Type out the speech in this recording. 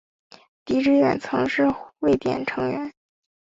狄志远曾是汇点成员。